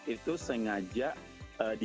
itu sengaja dimasukkan ke dalam tanaman ini